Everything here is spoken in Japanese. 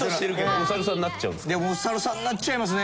お猿さんになっちゃいますね！